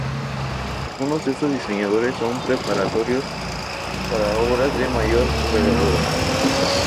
Algunos de estos diseños son preparatorios para obras de mayor envergadura.